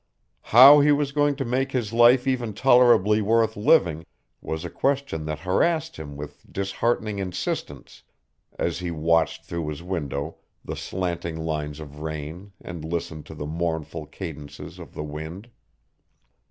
How he was going to make his life even tolerably worth living was a question that harassed him with disheartening insistence as he watched through his window the slanting lines of rain and listened to the mournful cadences of the wind.